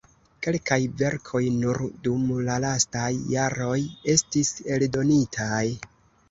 Kelkaj verkoj nur dum la lastaj jaroj estis eldonitaj.